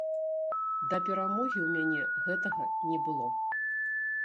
Да перамогі ў мяне гэтага не было.